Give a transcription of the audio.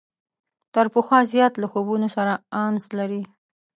تر پخوا زیات له خوبونو سره انس لري.